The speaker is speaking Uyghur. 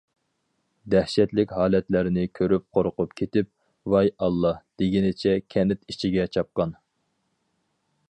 دەھشەتلىك ھالەتلەرنى كۆرۈپ قورقۇپ كېتىپ« ۋاي ئاللا» دېگىنىچە كەنت ئىچىگە چاپقان.